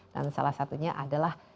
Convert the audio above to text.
dan salah satunya adalah